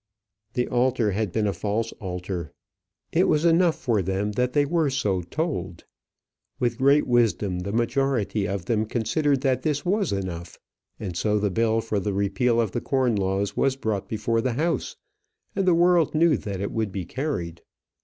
The altar had been a false altar: it was enough for them that they were so told. With great wisdom the majority of them considered that this was enough; and so the bill for the repeal of the corn laws was brought before the House, and the world knew that it would be carried.